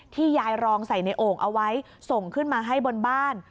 ยายรองใส่ในโอ่งเอาไว้ส่งขึ้นมาให้บนบ้าน